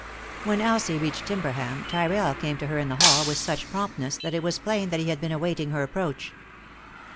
When Elsie reached Timberham, Tyrrell came to her in the hall with such promptness that it was plain that he had been awaiting her approach.